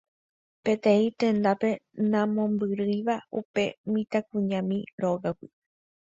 peteĩ tendápe namombyrýiva upe mitãkuñami rógagui.